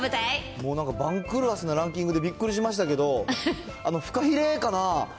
もうなんか、番狂わせなランキングでびっくりしましたけど、フカヒレかな。